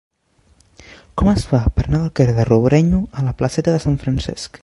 Com es fa per anar del carrer de Robrenyo a la placeta de Sant Francesc?